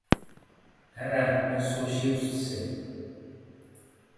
ھەئە ،مەن سۇشى ئۇستىسى.